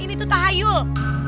ini tuh tahayul